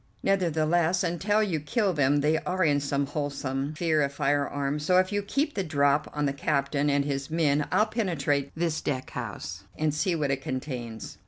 Nevertheless, until you kill them they are in some wholesome fear of firearms, so if you keep the drop on the captain and his men I'll penetrate this deck house and see what it contains."